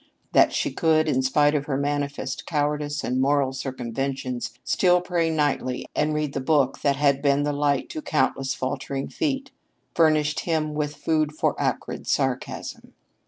That she could, in spite of her manifest cowardice and moral circumventions, still pray nightly and read the book that had been the light to countless faltering feet, furnished him with food for acrid sarcasm.